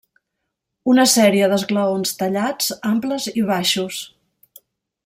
Una sèrie d'esglaons tallats, amples i baixos.